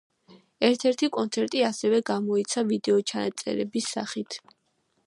ერთ-ერთი კონცერტი ასევე გამოიცა ვიდეოჩანაწერის სახით.